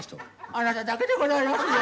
あなただけでございますよ。